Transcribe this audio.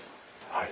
はい。